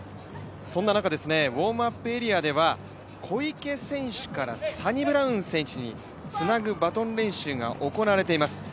そんな中、ウォームアップエリアでは小池選手からサニブラウン選手につなぐバトン練習が行われています。